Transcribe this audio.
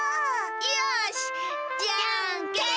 よしじゃんけん。